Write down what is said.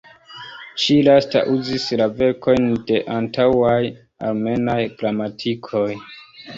Ĉi-lasta uzis la verkojn de antaŭaj armenaj gramatikoj.